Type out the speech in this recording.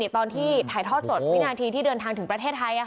ตอนที่ถ่ายทอดสดวินาทีที่เดินทางถึงประเทศไทย